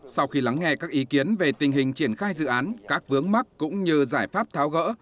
sau khi lắng nghe các ý kiến về tình hình triển khai dự án các vướng mắc cũng như giải pháp tháo gỡ